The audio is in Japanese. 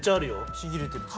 ちぎれてる。